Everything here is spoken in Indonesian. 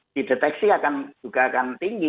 dideteksi juga akan tinggi